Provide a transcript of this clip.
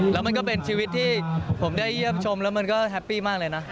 แล้วมันก็เป็นชีวิตที่ผมได้เยี่ยมชมแล้วมันก็แฮปปี้มากเลยนะ